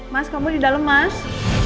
mas kamu di dalam mas